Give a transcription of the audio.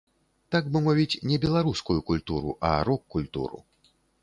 Так бы мовіць, не беларускую культуру, а рок-культуру.